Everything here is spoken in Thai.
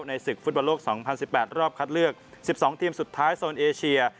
ในศึกฟุตบาลโลกสองพันสิบแปดรอบคัดเลือกสิบสองทีมสุดท้ายโซนเอเชีย